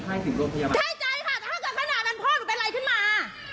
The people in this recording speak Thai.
ใช่ใช่ค่ะแต่ถ้าเกิดขนาดนั้นพ่อหนูเป็นอะไรขึ้นมา